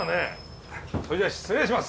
それじゃあ失礼します。